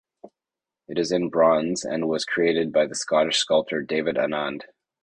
It is in bronze, and was created by the Scottish sculptor David Annand.